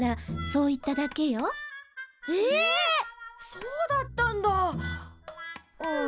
そうだったんだ！はあ。